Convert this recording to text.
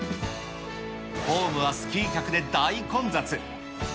ホームはスキー客で大混雑。